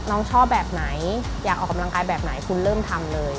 น้องชอบแบบไหนอยากออกกำลังกายแบบไหนคุณเริ่มทำเลย